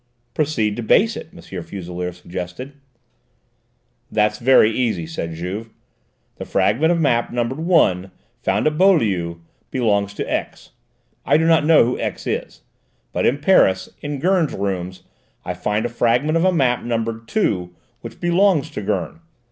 "Proceed to base it," M. Fuselier suggested. "That's very easy," said Juve. "The fragment of map numbered 1, found at Beaulieu, belongs to X. I do not know who X is; but in Paris, in Gurn's rooms, I find the fragment of map numbered 2, which belongs to Gurn.